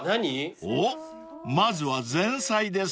［おっまずは前菜ですね］